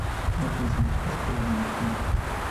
No utilizaban escudos en los combates.